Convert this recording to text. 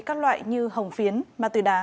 các loại như hồng phiến ma túy đá